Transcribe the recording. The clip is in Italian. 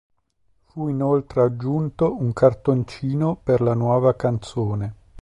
Fu inoltre aggiunto un cartoncino per la nuova canzone.